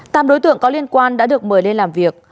tạm đối tượng có liên quan đã được mời lên làm việc